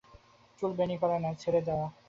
চুল বেণী করা নয়, ছেড়ে দেওয়া।